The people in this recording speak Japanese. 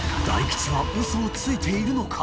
秣腟箸嘘をついているのか？